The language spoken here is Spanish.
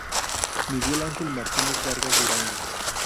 Miguel Angel Martinez Vargas Durango